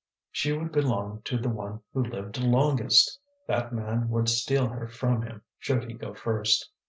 She would belong to the one who lived longest; that man would steal her from him should he go first.